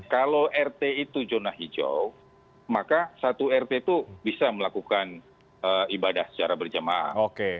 kalau rt itu zona hijau maka satu rt itu bisa melakukan ibadah secara berjemaah